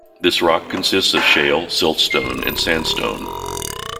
This rock consists of shale, siltstone, and sandstone.